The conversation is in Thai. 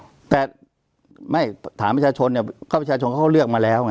ว่าที่ประชาชนก็เลือกมาแล้ว